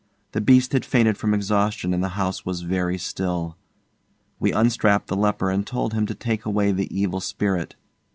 The beast had fainted from exhaustion and the house was very still. We unstrapped the leper and told him to take away the evil spirit.